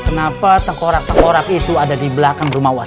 kenapa tengkorak tengkorak itu ada dibelakang rumah wasaung